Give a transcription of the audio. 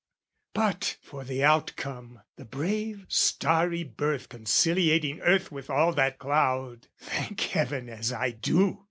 But for the outcome, the brave starry birth Conciliating earth with all that cloud, Thank heaven as I do!